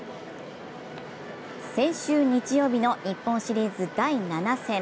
先週日曜日の日本シリーズ第７戦。